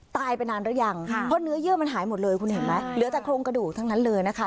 ตายไปนานหรือยังเพราะเนื้อเยื่อมันหายหมดเลยคุณเห็นไหมเหลือแต่โครงกระดูกทั้งนั้นเลยนะคะ